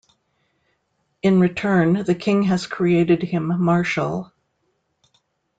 In return, the King has created him Marshal.